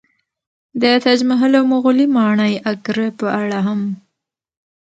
د تاج محل او مغولي ماڼۍ اګره په اړه هم